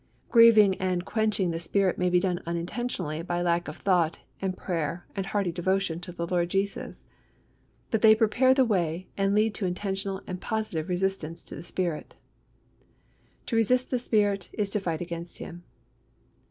Grieving and quenching the Spirit may be done unintentionally by lack of thought and prayer and hearty devotion to the Lord Jesus; but they prepare the way and lead to intentional and positive resistance to the Spirit. To resist the Spirit is to fight against Him.